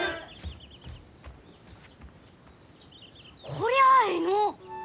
こりゃあえいの！